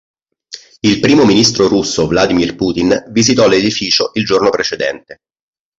Il primo ministro russo Vladimir Putin visitò l'edificio il giorno precedente.